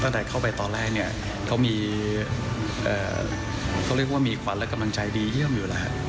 ตั้งแต่เข้าไปตอนแรกเนี่ยเขามีความรับกำลังใจดีเยี่ยมอยู่แล้ว